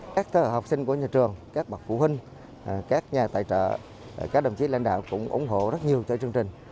các học sinh của nhà trường các bậc phụ huynh các nhà tài trợ các đồng chí lãnh đạo cũng ủng hộ rất nhiều cho chương trình